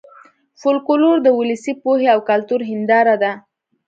فولکلور د ولسي پوهې او کلتور هېنداره ده